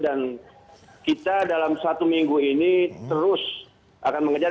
dan kita dalam satu minggu ini terus akan mengejar